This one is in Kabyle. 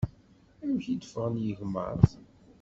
Amek i d-ffɣen yigmaḍ?